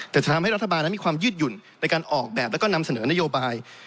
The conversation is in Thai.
แต่จะทำให้รัฐบาลมีความยืดหยุ่นในการออกแบบและนำเสนอนโนโลกาล